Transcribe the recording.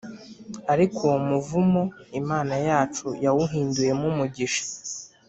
Ariko uwo muvumo Imana yacu yawuhinduyemo umugisha